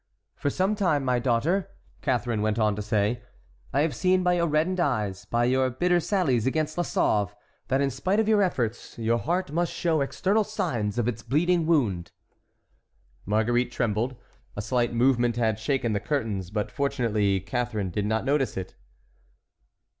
"For some time, my daughter," Catharine went on to say, "I have seen by your reddened eyes, by your bitter sallies against La Sauve, that in spite of your efforts your heart must show external signs of its bleeding wound." Marguerite trembled: a slight movement had shaken the curtains; but fortunately Catharine did not notice it.